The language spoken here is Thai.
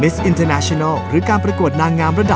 สนุนโดยสถาบันความงามโย